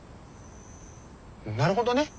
なるほどね。